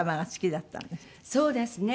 そうですね。